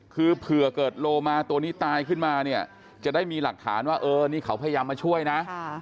คือเผื่อเกิดโลมาตัวนี้ตายขึ้นมาเนี่ยจะได้มีหลักฐานว่าเออนี่เขาพยายามมาช่วยนะ